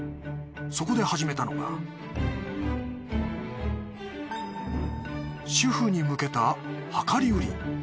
そこで始めたのが主婦に向けた量り売り。